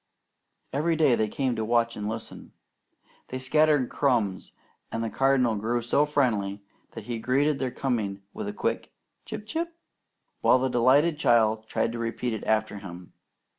Every day they came to watch and listen. They scattered crumbs; and the Cardinal grew so friendly that he greeted their coming with a quick "Chip! Chip!" while the delighted child tried to repeat it after him.